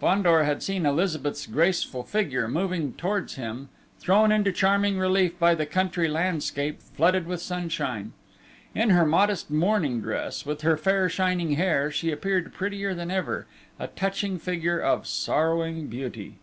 Fandor had seen Elizabeth's graceful figure moving towards him, thrown into charming relief by the country landscape flooded with sunshine. In her modest mourning dress, with her fair shining hair, she appeared prettier than ever: a touching figure of sorrowing beauty!